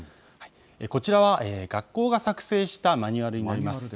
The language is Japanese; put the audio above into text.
こちらは、学校が作成したマニュアルになります。